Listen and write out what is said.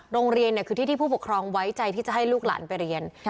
โรงเรียนคือที่ที่ผู้ปกครองไว้ใจที่จะให้ลูกหลานไปเรียน